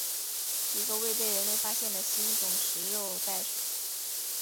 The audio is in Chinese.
一个未被人类发现的新种食肉袋鼠。